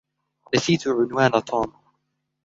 نسيت عنوان توم.